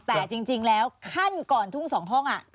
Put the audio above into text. แต่จริงแล้วขั้นก่อนทุ่ง๒ห้อง